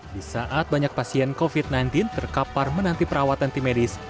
di saat banyak pasien covid sembilan belas terkapar menanti perawatan tim medis